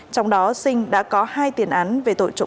trong đó sinh đã có hai tiền án về tội trộm cắp tài sản